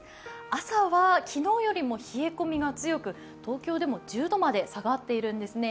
朝は昨日よりも冷え込みが強く東京でも１０度まで下がっているんですね。